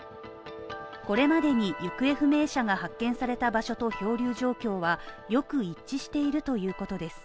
これまでに行方不明者が発見された場所と漂流状況はよく一致しているということです。